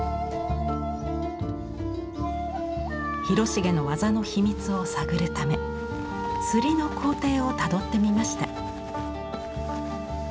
広重の技の秘密を探るため摺りの工程をたどってみました。